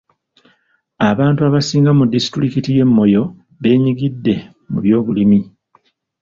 Abantu abasinga mu disitulikiti y'e Moyo beenyigidde mu by'obulimi.